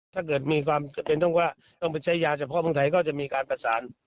ถ้าเกิดมีความจำเป็นต้องว่าต้องไปใช้ยาเฉพาะเมืองไทยก็จะมีการประสาน